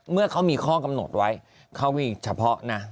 เมื่อเขามีข้อกำหนดไว้เขามีเฉพาะนะ